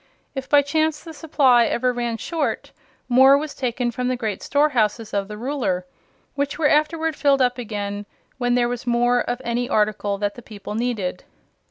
If by chance the supply ever ran short, more was taken from the great storehouses of the Ruler, which were afterward filled up again when there was more of any article than the people needed.